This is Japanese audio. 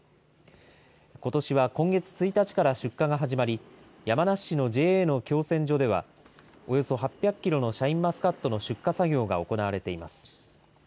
ことしは今月１日から出荷が始まり、山梨市のＪＡの共選所では、およそ８００キロのシャインマスカットの出荷作業が行われています。